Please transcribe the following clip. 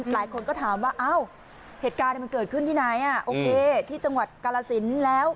หลายคนก็ถามว่าอ้าวเหตุการณ์มันเกิดขึ้นที่ไหนโอเคที่จังหวัดกาลสินแล้ว